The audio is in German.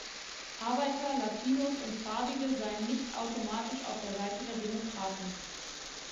Arbeiter, Latinos und Farbige seien nicht automatisch auf der Seite der Demokraten.